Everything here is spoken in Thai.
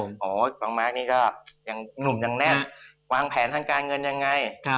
น้องมาร์คนี่ก็หนุ่มแน่นวางแผนทางการเงินยังไง